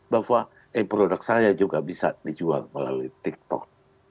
bahwa produk saya juga bisa dijual melalui tiktok